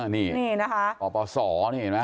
นี่นะคะป่อป่อสหเนี่ยเห็นไหม